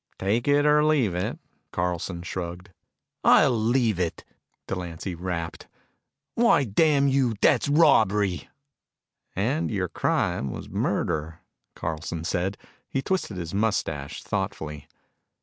"Take it or leave it," Carlson shrugged. "I'll leave it!" Delancy rapped. "Why, damn you, that's robbery!" "And your crime was murder," Carlson said. He twisted his mustache thoughtfully.